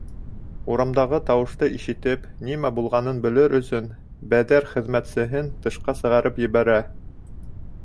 Урамдағы тауышты ишетеп, нимә булғанын белер өсөн, Бәҙәр хеҙмәтсеһен тышҡа сығарып ебәрә.